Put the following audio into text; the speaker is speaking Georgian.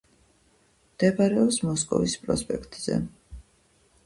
მდებარეობს მოსკოვის პროსპექტზე.